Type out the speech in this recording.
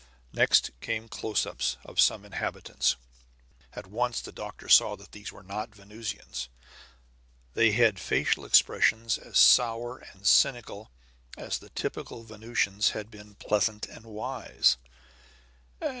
Next came "close ups" of some inhabitants. At once the doctor saw that these were not Venusians; they had facial expressions as sour and cynical as the typical Venusian's had been pleasant and wise.